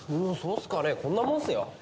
そうすかねこんなもんっすよ